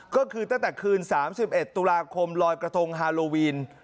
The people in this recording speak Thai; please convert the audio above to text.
ก็คือตั้งแต่คืนสามสิบเอ็ดตุลาคมรอยกระทงฮาโลวีน